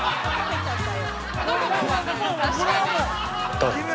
どう？